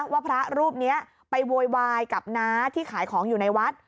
ว่าพระรูปนี้ไปโวยวายกับน้าที่ขายของอยู่ในวัด